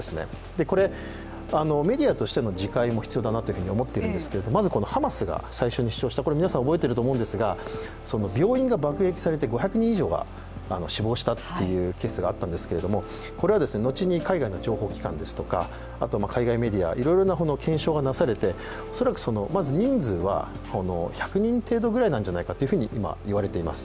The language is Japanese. メディアとしての自戒も必要だなと思っているんですけれどもまずハマスが最初に主張した、皆さん、覚えてると思うんですけど病院が爆撃されて５００人以上が死亡したというケースがあったと思うんですがこれは後に海外の情報機関ですとか海外メディアいろいろな検証がなされて、恐らくまず人数は１００人程度ぐらい何じゃないかと今、言われています。